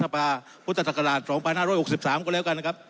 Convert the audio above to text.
ภุตศักราชของป๕๖๓ก็แล้วกัน